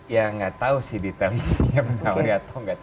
ya nggak tahu sih detailnya mengetahui atau nggak